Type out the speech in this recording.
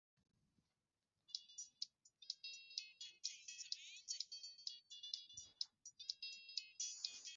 Kondoo na mbuzi walioathirika hupoteza kilo na kiwango chao cha maziwa hupungua